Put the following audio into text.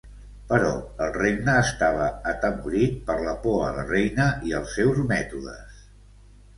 Però el regne estava atemorit per la por a la reina i als seus mètodes.